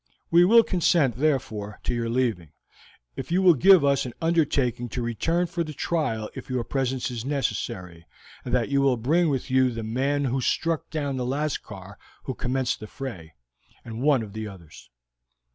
We will consent, therefore, to your leaving, if you will give us an undertaking to return for the trial if your presence is necessary, and that you will bring with you the man who struck down the Lascar who commenced the fray, and one of the others."